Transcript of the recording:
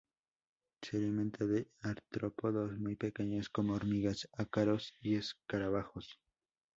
Se alimenta de artrópodos muy pequeños como hormigas, ácaros y escarabajos.